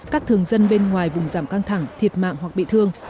các thường dân bên ngoài vùng giảm căng thẳng thiệt mạng hoặc bị thương